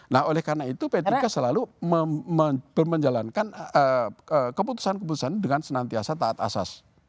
nah oleh karena itu p tiga selalu menjalankan keputusan keputusan dengan senantiasa taat asas